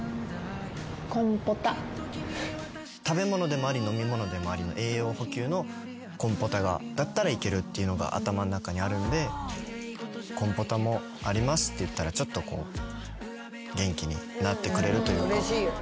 「コンポタ」食べ物でもあり飲み物でもありの栄養補給のコンポタだったらいけるっていうのが頭の中にあるんでコンポタもありますって言ったらちょっとこう元気になってくれるというか。